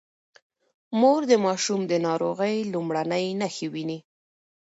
مور د ماشوم د ناروغۍ لومړنۍ نښې ويني.